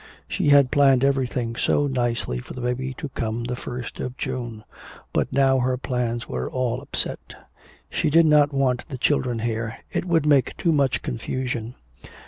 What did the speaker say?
She had planned everything so nicely for the baby to come the first of June, but now her plans were all upset. She did not want the children here, it would make too much confusion.